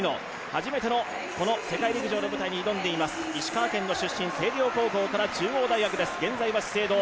初めてのこの世界陸上の舞台に挑んでいます、石川県野出身、星稜高校から中央大学です、現在は資生堂。